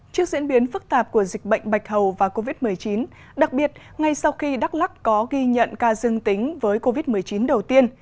trước diễn biến phức tạp của dịch bệnh bạch hầu và covid một mươi chín đặc biệt ngay sau khi đắk lắc có ghi nhận ca dương tính với covid một mươi chín đầu tiên